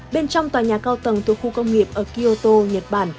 bên trong tòa nhà cao tầng thuộc khu công nghiệp ở kyoto nhật bản